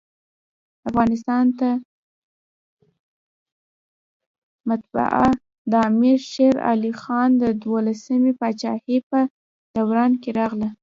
افغانستان ته مطبعه دامیر شېرعلي خان د دوهمي پاچاهۍ په دوران کي راغله.